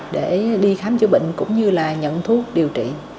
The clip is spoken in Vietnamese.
để đi khám chữa bệnh cũng như là nhận thuốc điều trị